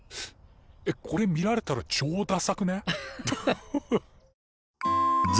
えっこれ見られたらちょうダサくね？